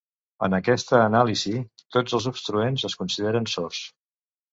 En aquesta anàlisi, tots els obstruents es consideren sords.